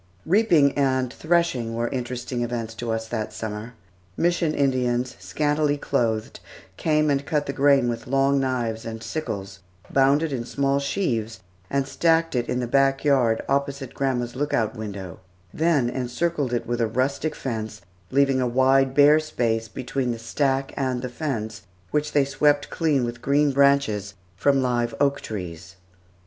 Reaping and threshing were interesting events to us that summer. Mission Indians, scantily clothed, came and cut the grain with long knives and sickles, bound it in small sheaves, and stacked it in the back yard opposite grandma's lookout window, then encircled it with a rustic fence, leaving a wide bare space between the stack and the fence, which they swept clean with green branches from live oak trees.